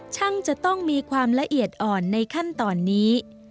จะต้องมีความละเอียดอ่อนในขั้นตอนนี้